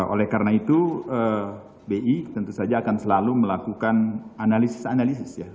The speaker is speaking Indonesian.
oleh karena itu bi tentu saja akan selalu melakukan analisis analisis ya